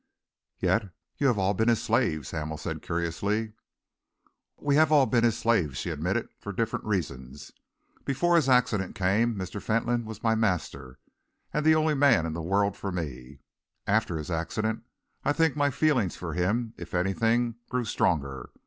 "Yet you have all been his slaves," Hamel said curiously. "We have all been his slaves," she admitted, "for different reasons. Before his accident came, Mr. Fentolin was my master and the only man in the world for me. After his accident, I think my feelings for him, if anything, grew stronger.